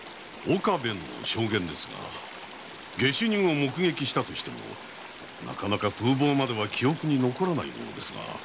岡部の証言ですが下手人を目撃したとしてもなかなか風貌までは記憶に残らないものですが。